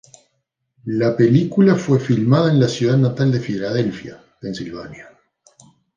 La película fue filmada en la ciudad natal de Filadelfia, Pensilvania.